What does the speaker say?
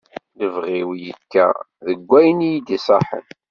Lebɣi-w yekka deg wayen iyi-d-iṣaḥen.